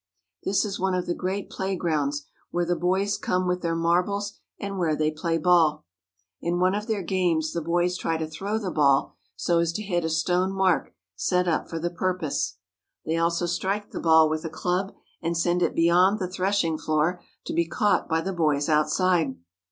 This is one of the great play grounds, where the boys come with their marbles and where they play ball. In one of their games the boys try to throw the ball so as to hit a stone mark set up for the purpose. They also strike the ball with a club and send it beyond the threshing floor to be caught by the boys outside.